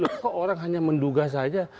kok orang hanya menduga saja